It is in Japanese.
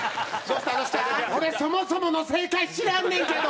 俺そもそもの正解知らんねんけど！